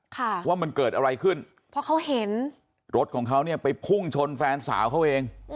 ค่ะว่ามันเกิดอะไรขึ้นเพราะเขาเห็นรถของเขาเนี่ยไปพุ่งชนแฟนสาวเขาเอง